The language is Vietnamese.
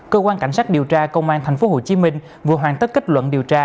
cơ quan cảnh sát điều tra công an tp hcm vừa hoàn tất kết luận điều tra